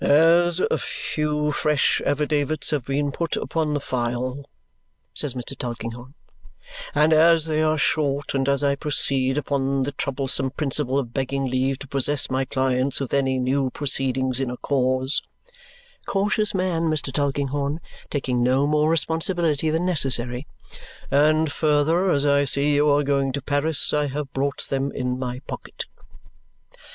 "As a few fresh affidavits have been put upon the file," says Mr. Tulkinghorn, "and as they are short, and as I proceed upon the troublesome principle of begging leave to possess my clients with any new proceedings in a cause" cautious man Mr. Tulkinghorn, taking no more responsibility than necessary "and further, as I see you are going to Paris, I have brought them in my pocket."